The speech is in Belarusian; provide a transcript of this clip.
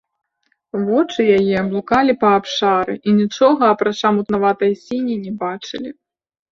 Вочы яе блукалі па абшары і нічога, апрача мутнаватай сіні, не бачылі.